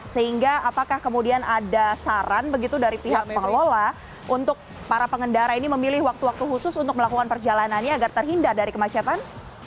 sehingga apakah kemudian ada saran begitu dari pihak pengelola untuk para pengendara ini memilih waktu waktu khusus untuk melakukan perjalanannya agar terhindar dari kemacetan